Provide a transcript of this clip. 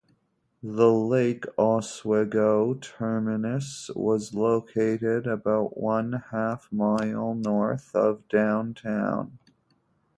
The Lake Oswego terminus was located about one-half mile north of downtown.